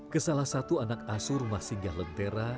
ke salah satu anak asuh rumah singgah lentera